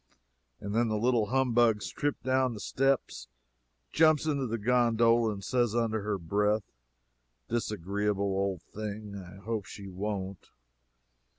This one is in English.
and then the little humbug trips down the steps, jumps into the gondola, says, under her breath, "Disagreeable old thing, I hope she won't!"